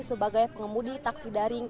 sebagai pengemudi taksi daring